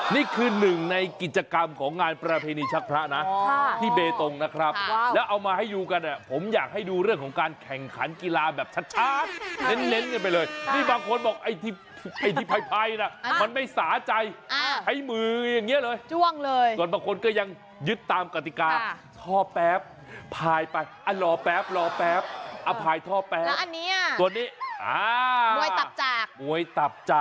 นี่คือหนึ่งในกิจกรรมของงานประเพณีชักพระนะที่เบตงนะครับแล้วเอามาให้ดูกันผมอยากให้ดูเรื่องของการแข่งขันกีฬาแบบชัดเน้นกันไปเลยนี่บางคนบอกไอ้ที่พายน่ะมันไม่สาใจใช้มืออย่างนี้เลยจ้วงเลยส่วนบางคนก็ยังยึดตามกติกาท่อแป๊บพายไปรอแป๊บรอแป๊บอพายท่อแป๊บตัวนี้